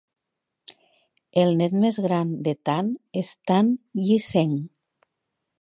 El net més gran de Tan és Tan Yee Seng.